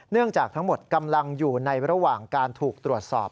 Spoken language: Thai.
จากทั้งหมดกำลังอยู่ในระหว่างการถูกตรวจสอบ